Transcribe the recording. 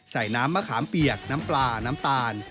น้ำมะขามเปียกน้ำปลาน้ำตาล